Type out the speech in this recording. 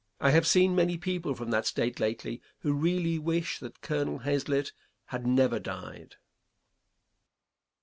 I have seen many people from that State lately who really wish that Colonel Hazelitt had never died.